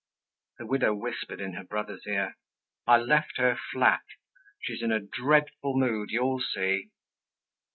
The widow whispered in her brother's ear, "I left her flat! She's in a dreadful mood. You'll see."